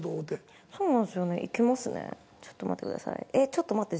ちょっと待って。